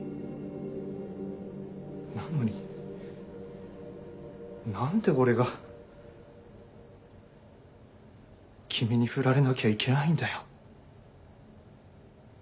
なのに何で俺が君にフラれなきゃいけないんだよ。